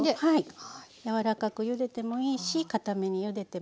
柔らかくゆでてもいいし堅めにゆでてもいいし。